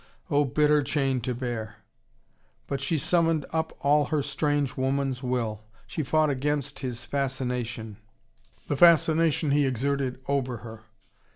Oh, bitter chain to bear! But she summoned up all her strange woman's will. She fought against his fascination, the fascination he exerted over her.